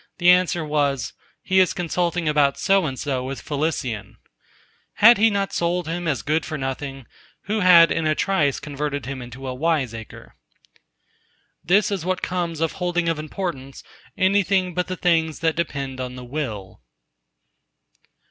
the answer was, "He is consulting about so and so with Felicion."—Had he not sold him as good for nothing? Who had in a trice converted him into a wiseacre? This is what comes of holding of importance anything but the things that depend on the Will.